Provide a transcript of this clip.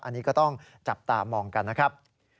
อันนี้ก็ต้องจับตามองกันนะครับ